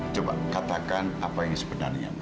coba katakan apa yang sebenarnya